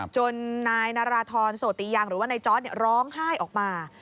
จนนายนาราธรโสติยังหรือว่านายจอร์ดร้องไห้ออกมา